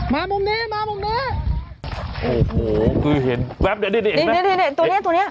มุมนี้มามุมนี้โอ้โหคือเห็นแวบเดี๋ยวนี่นี่ตัวเนี้ยตัวเนี้ย